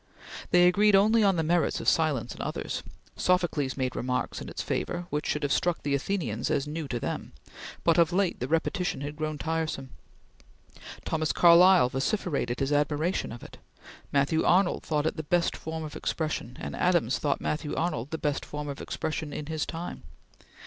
They agreed only on the merits of silence in others. Socrates made remarks in its favor, which should have struck the Athenians as new to them; but of late the repetition had grown tiresome. Thomas Carlyle vociferated his admiration of it. Matthew Arnold thought it the best form of expression; and Adams thought Matthew Arnold the best form of expression in his time.